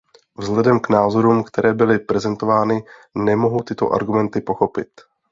Vzhledem k názorům, které byly prezentovány, nemohu tyto argumenty pochopit.